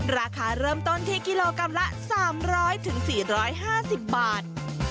ราคาเริ่มต้นที่กิโลกรัมละ๓๐๐๔๕๐บาท